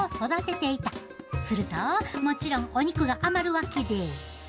するともちろんお肉が余るわけで。